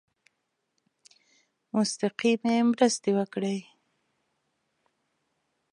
مستقیمي مرستي وکړي.